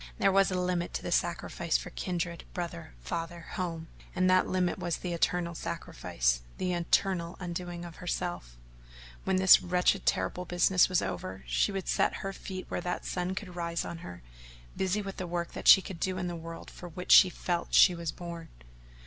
There was a limit to the sacrifice for kindred, brother, father, home, and that limit was the eternal sacrifice the eternal undoing of herself: when this wretched terrible business was over she would set her feet where that sun could rise on her, busy with the work that she could do in that world for which she felt she was born.